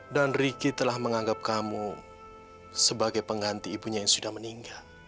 riki telah menganggap kamu sebagai pengganti ibunya yang sudah meninggal